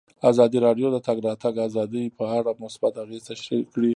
ازادي راډیو د د تګ راتګ ازادي په اړه مثبت اغېزې تشریح کړي.